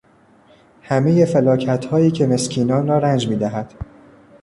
همهی فلاکتهایی که مسکینان را رنج میدهد.